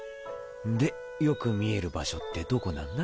でよく見える場所ってどこなんだ？